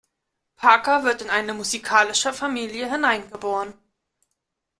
Parker wird in eine musikalische Familie hineingeboren.